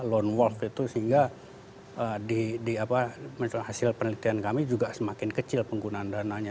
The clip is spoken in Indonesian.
loan work itu sehingga hasil penelitian kami juga semakin kecil penggunaan dananya